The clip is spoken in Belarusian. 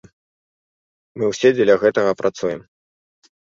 Мы ўсе дзеля гэтага працуем.